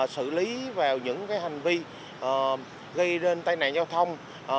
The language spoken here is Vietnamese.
xử lý vào những hành vi gây đến tai nạn giao thông